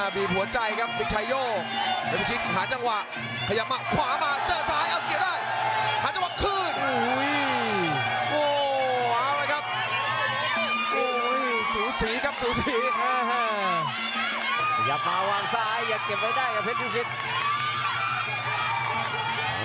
บีบหัวใจครับเวทวิชิตหาจังหวะ